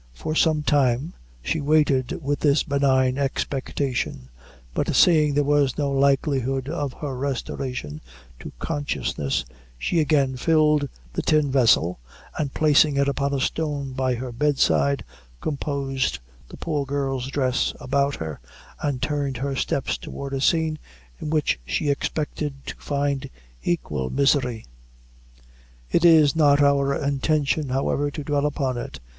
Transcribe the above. For some time she waited with this benign expectation, but seeing there was no likelihood of her restoration, to consciousness, she again filled the tin vessel, and placing it upon a stone by her bedside, composed the poor girl's dress about her, and turned her steps toward a scene in which she expected to find equal misery. It is not our intention, however, to dwell upon it.